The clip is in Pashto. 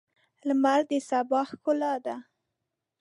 لمر د سبا ښکلا ده.